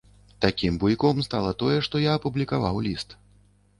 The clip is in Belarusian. Такім буйком стала тое, што я апублікаваў ліст.